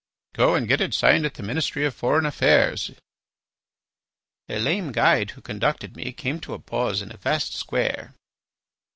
"Go and get it signed at the Ministry of Foreign Affairs." A lame guide who conducted me came to a pause in a vast square.